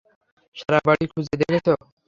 সারা বাড়ি খুঁজে দেখেছ?